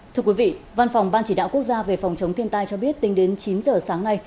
thưa quý vị văn phòng ban chỉ đạo quốc gia về phòng chống thiên tai cho biết tính đến chín giờ sáng nay